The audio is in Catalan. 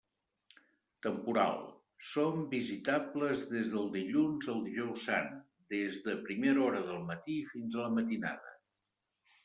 Temporal: són visitables des del dilluns al Dijous Sant, des de primera hora del matí fins a la matinada.